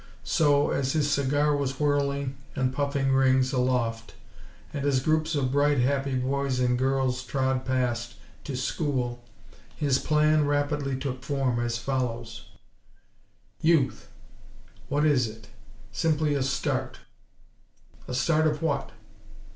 So, as his cigar was whirling and puffing rings aloft; and as groups of bright, happy boys and girls trod past, to school, his plan rapidly took form as follows: "Youth! What is it? Simply a start. A start of what?